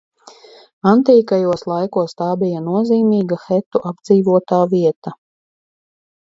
Antīkajos laikos tā bija nozīmīga hetu apdzīvotā vieta.